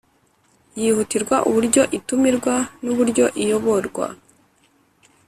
Yihutirwa uburyo itumirwa n uburyo iyoborwa